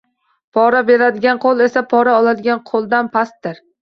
Pora beradigan qo‘l esa pora oladigan qo‘ldan pastdir.